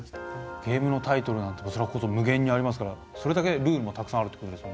ゲームのタイトルなんてそれこそ無限にありますからそれだけルールもたくさんあるってことですもんね？